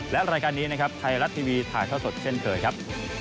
และรายการนี้ไทยรัดทีวีถ่ายเข้าสดเช่นเคยครับ